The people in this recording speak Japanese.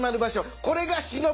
これが忍びの町。